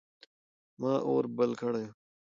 ما اور بل کړی و.